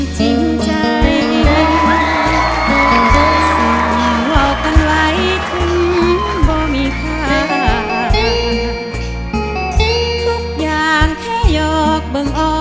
สวัสดีครับ